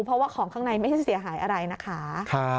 เพราะว่าของข้างในไม่ใช่เสียหายอะไรนะคะ